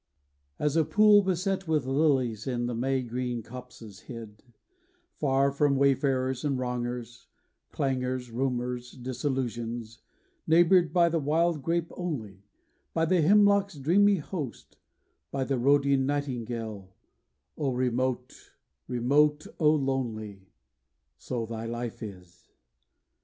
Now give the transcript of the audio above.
AS a pool beset with lilies In the May green copses hid, Far from wayfarers and wrongers, Clangors, rumors, disillusions, Neighbored by the wild grape only, By the hemlock's dreamy host, By the Rhodian nightingale, O remote, remote, O lonely! So thy life is.